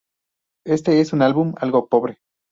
Este es un álbum algo pobre.